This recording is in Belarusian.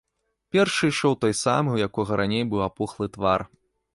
Першы ішоў той самы, у якога раней быў апухлы твар.